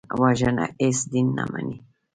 وژنه هېڅ دین نه مني